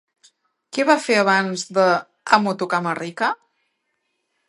Què va fer abans de Amo tu cama rica?